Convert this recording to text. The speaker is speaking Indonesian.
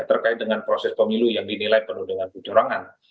terkait dengan proses pemilu yang dinilai penuh dengan kecurangan